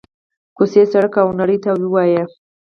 کوڅې، سړک او نړۍ ته ووايي: